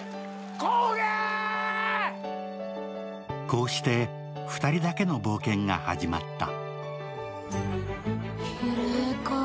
こうして２人だけの冒険が始まった。